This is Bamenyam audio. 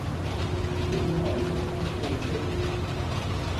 Pǔ mɛ́ʼnə́ wó pô ŋghyə̂.